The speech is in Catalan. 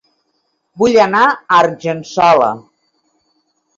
Vull anar a Argençola